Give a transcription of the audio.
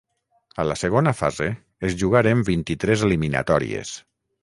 A la segona fase es jugaren vint-i-tres eliminatòries.